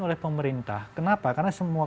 oleh pemerintah kenapa karena semua